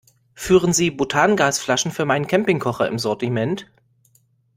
Führen Sie Butangasflaschen für meinen Campingkocher im Sortiment?